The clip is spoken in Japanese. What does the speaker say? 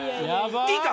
いいか？